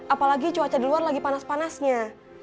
apalagi cuaca di luar lagi panas panasnya